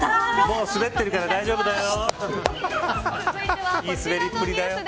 もうすべってるから大丈夫だよ。